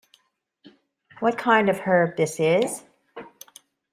What kind of herb this is?